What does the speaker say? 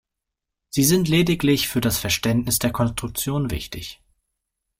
Sie sind lediglich für das Verständnis der Konstruktion wichtig.